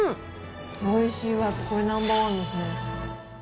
おいしいわ、ナンバーワンですね。